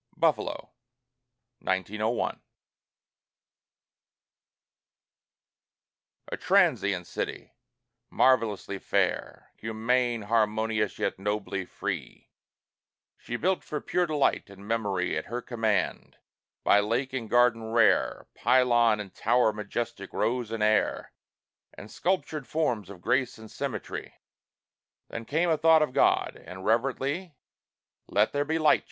BUFFALO A transient city, marvellously fair, Humane, harmonious, yet nobly free, She built for pure delight and memory. At her command, by lake and garden rare, Pylon and tower majestic rose in air, And sculptured forms of grace and symmetry. Then came a thought of God, and, reverently, "Let there be Light!"